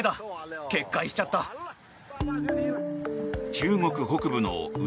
中国北部の内